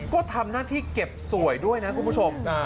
ก็ทำหน้าที่เก็บสวยด้วยนะคุณผู้ชม